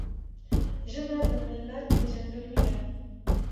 ژبه د ملت پیژندګلوي ده.